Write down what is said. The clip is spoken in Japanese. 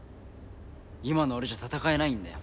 今の俺じゃ戦えないんだよ。